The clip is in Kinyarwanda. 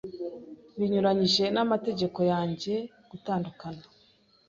Binyuranyije n'amategeko yanjye gutandukana.